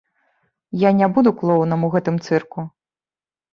Я не буду клоунам у гэтым цырку!